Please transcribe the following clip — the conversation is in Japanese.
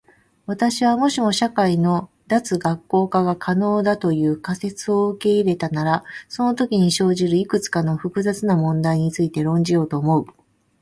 私は、もしも社会の脱学校化が可能だという仮説を受け入れたならそのときに生じるいくつかの複雑な問題について論じようと思う。